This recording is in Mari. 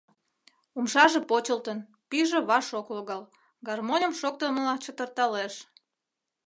Умшаже почылтын, пӱйжӧ ваш ок логал — гармоньым шоктымыла чытырталеш.